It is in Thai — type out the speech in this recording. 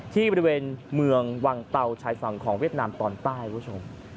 ที่บริเวณเมืองวังเตาชายฝั่งของเวียดนามตอนใต้คุณผู้ชม